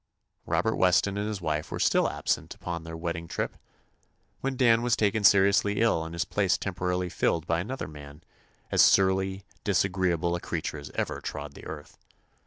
Robert Weston and his wife were still absent upon their wedding trip when Dan was taken seriously ill and his place temporarily filled by an other man, as surly, disagreeable a creature as ever trod the earth.